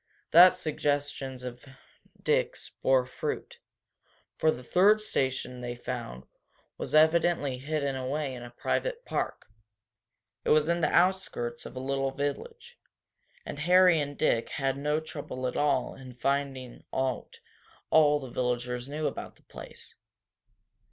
That suggestion of Dick's bore fruit. For the third station they found was evidently hidden away in a private park. It was in the outskirts of a little village, and Harry and Dick had no trouble at all in finding out all the villagers knew of the place.